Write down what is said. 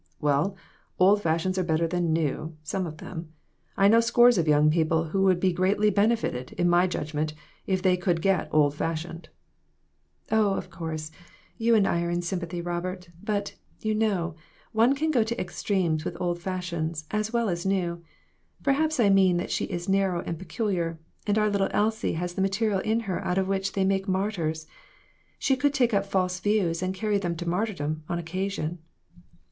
"Well, old fashions are better than new some of them. I know scores of young people who would be greatly benefited, in my judgment, if they could get old fashioned." "Oh, of course. You and I are in sympathy, Robert. But, you know, one can go to extremes with old fashions, as well as new. Perhaps I' ,mean that she is narrow and peculiar; and our little Elsie has the material in her out of which they make martyrs. She could take up false views and carry them to martyrdom, on occasion."